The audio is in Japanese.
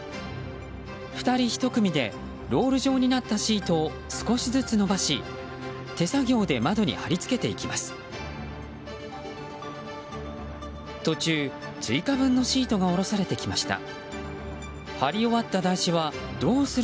２人１組でロール状になったシートを少しずつ伸ばし手作業で窓に貼りつけていきます。